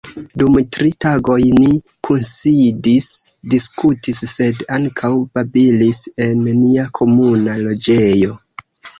Dum tri tagoj ni kunsidis, diskutis, sed ankaŭ babilis en nia komuna loĝejo.